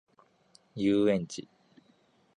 遊園地